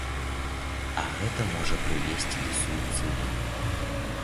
А гэта можа прывесці да суіцыду.